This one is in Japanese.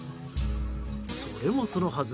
それもそのはず